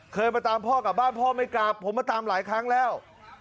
เคยมาตามพ่อกลับบ้านพ่อไม่กลับผมมาตามหลายครั้งแล้ว